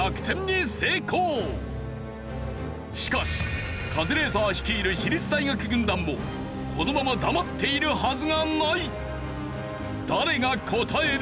しかしカズレーザー率いる私立大学軍団もこのまま黙っているはずがない。